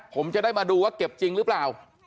ผมจะได้มาดูว่าเก็บจริงหรือเปล่า